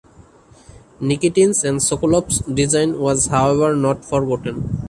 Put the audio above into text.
Nikitin's and Sokolov's design was however not forgotten.